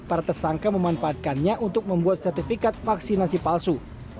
para tersangka memanfaatkannya untuk membuat sertifikat vaksinasi palsu